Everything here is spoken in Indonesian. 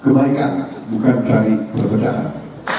kebaikan bukan dari kebenaran